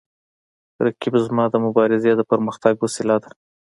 رقیب زما د مبارزې د پرمختګ وسیله ده